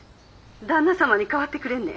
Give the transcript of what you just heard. ☎旦那様に代わってくれんね？